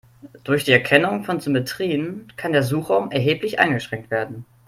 Durch die Erkennung von Symmetrien kann der Suchraum erheblich eingeschränkt werden.